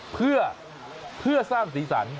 เพื่อสร้างสีสัน